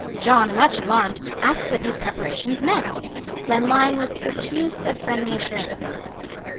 John, much alarmed, asked what these preparations meant. Glenlyon was profuse of friendly assurances.